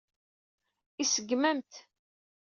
Iseggem-am-t.